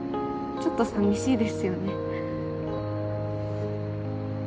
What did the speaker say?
ちょっと寂しいですよね。